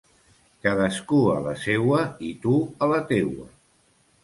Cadascú a la seua i tu a la teua.